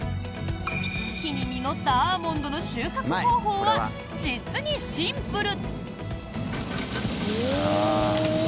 木に実ったアーモンドの収穫方法は実にシンプル。